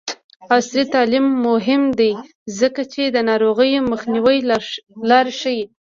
عصري تعلیم مهم دی ځکه چې د ناروغیو مخنیوي لارې ښيي.